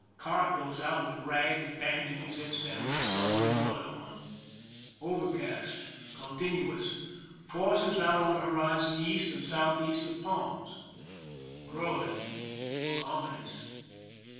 Cart goes out with rags, bandages, etc., some mth blood on. Overcast. Continuous. Forces out on horizon E. and S. E. of palms. Growing— look ominous.